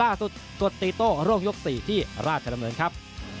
สุดกดตีโต้โรคยก๔ที่ราชดำเนินครับ